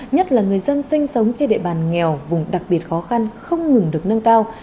nhất là người dân sinh sống trên địa bàn nghèo vùng đặc biệt khó khăn không ngừng được nâng cao